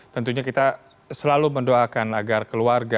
tentunya kita selalu mendoakan agar keluarga